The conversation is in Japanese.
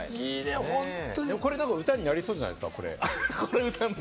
これ、歌になりそうじゃないですか？